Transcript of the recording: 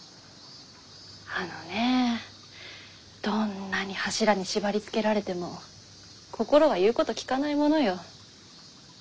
あのねえどんなに柱に縛りつけられても心は言うこと聞かないものよ。